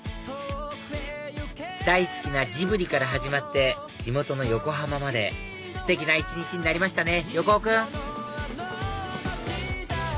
大好きなジブリから始まって地元の横浜までステキな一日になりましたね